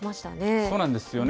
そうなんですよね。